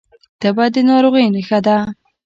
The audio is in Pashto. تبه د ناروغۍ نښه ده